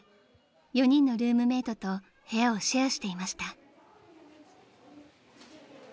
［４人のルームメートと部屋をシェアしていました］